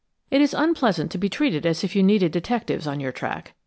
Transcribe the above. ] It is unpleasant to be treated as if you needed detectives on your track.